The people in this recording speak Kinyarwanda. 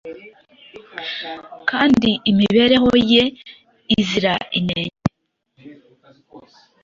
kandi imibereho ye izira inenge